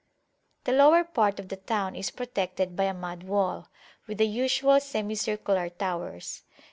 The lower part of the town is protected by a mud wall, with the usual semicircular towers.